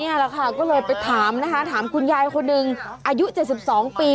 นี่แหละค่ะก็เลยไปถามนะคะถามคุณยายคนหนึ่งอายุ๗๒ปี